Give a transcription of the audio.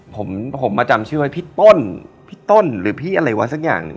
ผมมาจำชื่อว่าพี่โต้นพี่อะไรว่าสักอย่าง